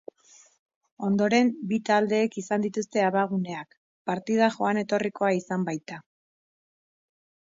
Ondoren, bi taldeek izan dituzte abaguneak, partida joan-etorrikoa izan baita.